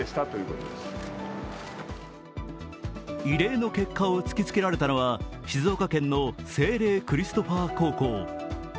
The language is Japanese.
異例の結果を突きつけられたのは、静岡県の聖隷クリストファー高校。